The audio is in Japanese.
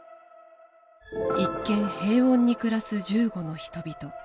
一見平穏に暮らす銃後の人々。